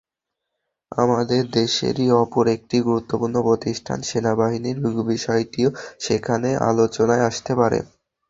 আমাদের দেশেরই অপর একটি গুরুত্বপূর্ণ প্রতিষ্ঠান সেনাবাহিনীর বিষয়টিও এখানে আলোচনায় আসতে পারে।